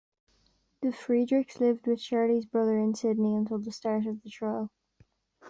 The Friedrichs lived with Shirley's brother in Sydney until the start of the trial.